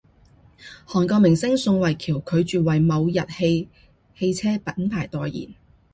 韓國明星宋慧喬拒絕爲某日企汽車品牌代言